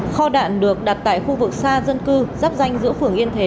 kho đạn được đặt tại khu vực xa dân cư giáp danh giữa phường yên thế